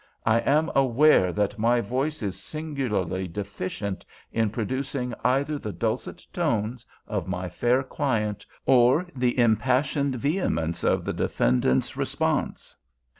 I am aware that my voice is singularly deficient in producing either the dulcet tones of my fair client or the impassioned vehemence of the defendant's repose.